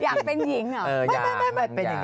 อยากเป็นหญิงเหรอ